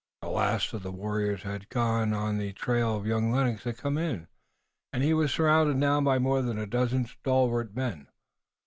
The last of the warriors who had gone on the trail of young Lennox had come in, and he was surrounded now by more than a dozen stalwart men.